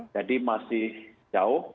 jadi masih jauh